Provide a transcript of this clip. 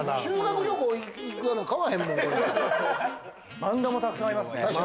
マンガもたくさんありますね。